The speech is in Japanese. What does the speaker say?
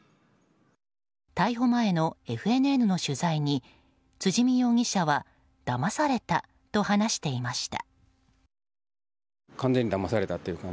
逮捕前のＦＮＮの取材に辻見容疑者はだまされたと話していました。